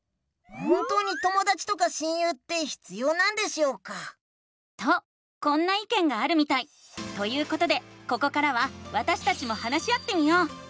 本当にともだちとか親友って必要なんでしょうか？とこんないけんがあるみたい！ということでここからはわたしたちも話し合ってみよう！